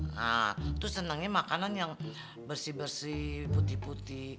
nah tuh senangnya makanan yang bersih bersih putih putih